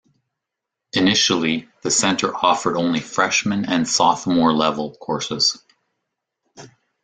Initially, the Center offered only freshman and sophomore-level courses.